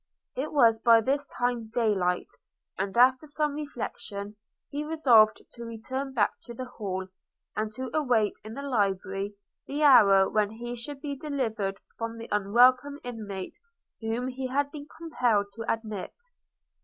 It was by this time day light; and, after some reflection, he resolved to return back to the Hall, and to await in the library the hour when he should be delivered from the unwelcome inmate whom he had been compelled to admit.